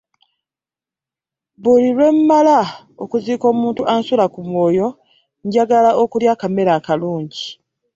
Buli lwe mmala okuziika omuntu ansula ku mwoyo njagala okulya akamere akalungi.